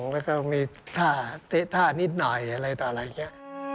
แล้วก็มีท่าเตะท่านิดหน่อยอะไรต่ออะไรอย่างนี้